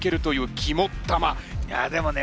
いやでもね